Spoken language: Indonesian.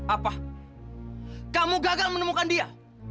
apa kamu gagal menemukan dia